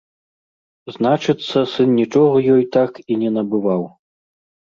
Значыцца, сын нічога ёй так і не набываў.